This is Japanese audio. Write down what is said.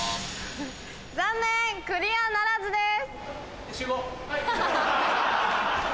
残念クリアならずです。